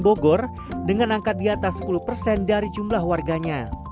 bogor dengan angka di atas sepuluh persen dari jumlah warganya